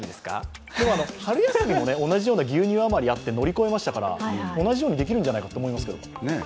春休みも同じような牛乳余りあって、盛り込めましたから同じようにできるんじゃないかと思いますけど。